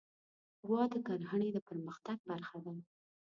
غوا د کرهڼې د پرمختګ برخه ده.